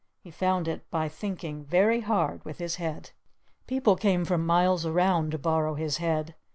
He found it by thinking very hard with his head. People came from miles around to borrow his head.